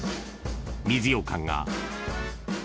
［水ようかんが］